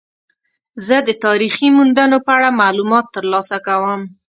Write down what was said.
زه د تاریخي موندنو په اړه معلومات ترلاسه کوم.